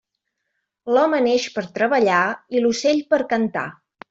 L'home neix per treballar i l'ocell per cantar.